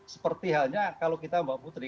seperti halnya kalau kita mbak putri